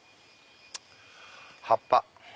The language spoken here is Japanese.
葉っぱ。